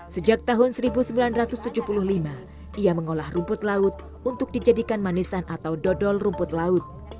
sejak tahun seribu sembilan ratus tujuh puluh lima ia mengolah rumput laut untuk dijadikan manisan atau dodol rumput laut